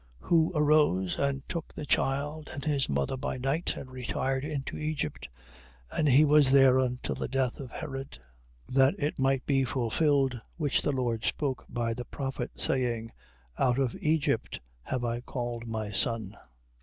2:14. Who arose, and took the child and his mother by night, and retired into Egypt: and he was there until the death of Herod: 2:15. That it might be fulfilled which the Lord spoke by the prophet, saying: Out of Egypt have I called my son.